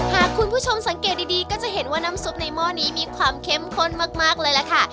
หากคุณผู้ชมสังเกตดีก็จะเห็นว่าน้ำซุปในหม้อนี้มีความเข้มข้นมากเลยล่ะค่ะ